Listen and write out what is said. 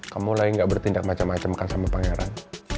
kamu lagi gak bertindak macam macam kan sama pangeran